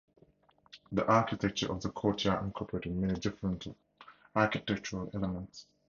The architecture of the courtyard incorporated many different architectural elements.